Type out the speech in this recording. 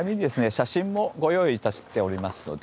写真もご用意いたしておりますので。